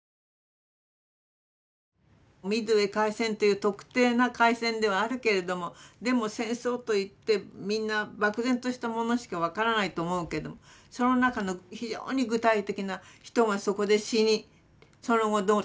ミッドウェー海戦という特定な海戦ではあるけれどもでも戦争といってみんな漠然としたものしか分からないと思うけどその中の非常に具体的な人がそこで死にその後どうなったかと。